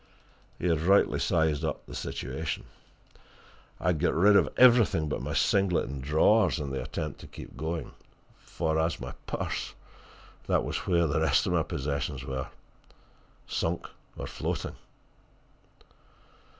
He had rightly sized up the situation. I had got rid of everything but my singlet and drawers in the attempt to keep going; as for my purse, that was where the rest of my possessions were sunk or floating.